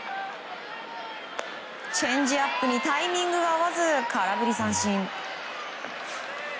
チェンジアップにタイミングが合わず空振り三振。